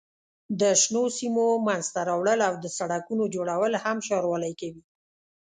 د شنو سیمو منځته راوړل او د سړکونو جوړول هم ښاروالۍ کوي.